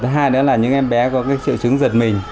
hai nữa là những em bé có triệu chứng giật mình